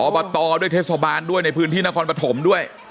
อบตด้วยเทศบาลด้วยในพื้นที่นครปฐมด้วย